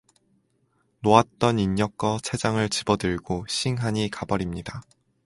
놓았던 인력거 채장을 집어 들고 씽하니 가 버립니다.